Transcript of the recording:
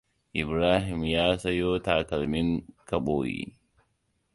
Ibrahim ya sayo takalmin kaboyi.